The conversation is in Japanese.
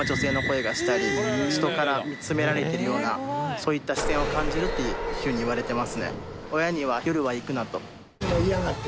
そういった視線を感じるっていうふうにいわれてますね。